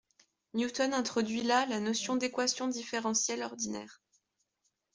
Newton introduit là la notion d'équation différentielle ordinaire